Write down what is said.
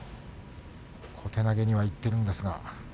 小手投げにはいっているんですが。